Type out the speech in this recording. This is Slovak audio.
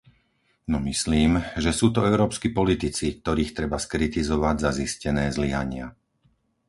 No myslím, že sú to európski politici, ktorých treba skritizovať za zistené zlyhania.